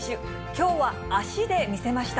きょうは足で見せました。